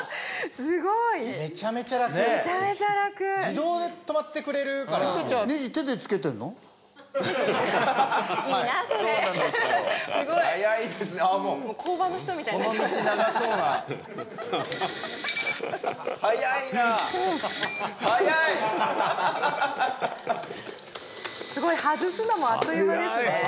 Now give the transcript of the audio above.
すごい。外すのもあっという間ですね。